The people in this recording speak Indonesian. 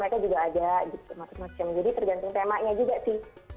jadi tergantung temanya juga sih